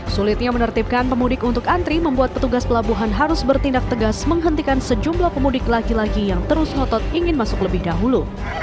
sulitnya menertibkan pemudik untuk antri membuat petugas pelabuhan harus bertindak tegas menghentikan sejumlah pemudik lagi lagi yang terus ngotot ingin masuk lebih dahulu